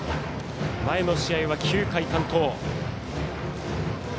前の試合は９回担当。